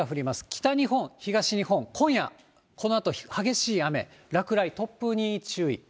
北日本、東日本、今夜、このあと激しい雨、落雷、突風に注意。